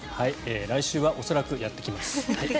来週はおそらくやってきます。